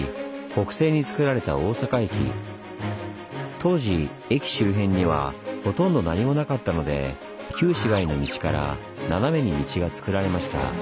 当時駅周辺にはほとんど何もなかったので旧市街の道から斜めに道がつくられました。